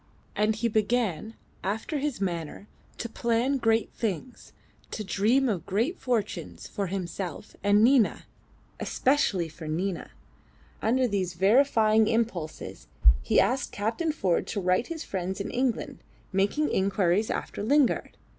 And he began, after his manner, to plan great things, to dream of great fortunes for himself and Nina. Especially for Nina! Under these vivifying impulses he asked Captain Ford to write to his friends in England making inquiries after Lingard.